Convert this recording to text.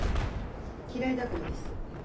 嫌いだからです。